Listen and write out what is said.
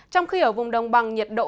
trong khi ở vùng đồng bằng